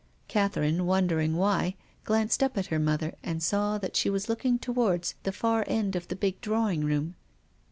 Catherine, wondering why, glanced up at her mother and saw that she was looking towards the far end of the big draw ing room.